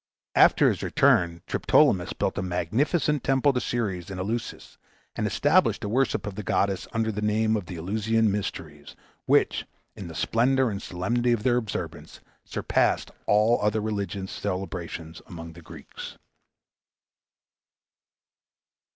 After his return, Triptolemus built a magnificent temple to Ceres in Eleusis, and established the worship of the goddess, under the name of the Eleusinian mysteries, which, in the splendor and solemnity of their observance, surpassed all other religious celebrations among the Greeks.